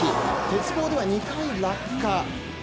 鉄棒では２回落下。